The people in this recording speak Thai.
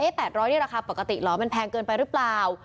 เอ้ยแปดร้อยนี่ราคาปกติเหรอมันแพงเกินไปรึเปล่า